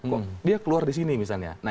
kok dia keluar disini misalnya